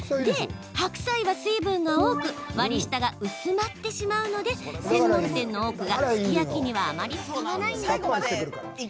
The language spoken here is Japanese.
で白菜は水分が多く割り下が薄まってしまうので専門店の多くがすき焼きにはあまり使わないんだとか。